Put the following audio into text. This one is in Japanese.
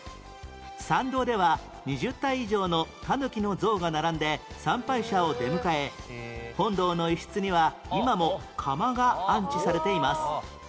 参道では２０体以上の狸の像が並んで参拝者を出迎え本堂の一室には今も釜が安置されています